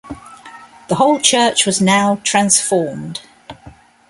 The whole Church was now transformed.